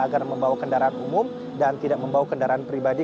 agar membawa kendaraan umum dan tidak membawa kendaraan pribadi